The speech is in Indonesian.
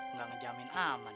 nggak ngejamin aman